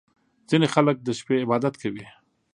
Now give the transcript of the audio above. • ځینې خلک د شپې عبادت کوي.